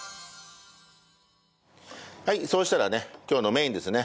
はいそうしたらね今日のメインですね。